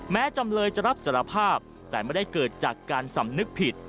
จำเลยจะรับสารภาพแต่ไม่ได้เกิดจากการสำนึกผิด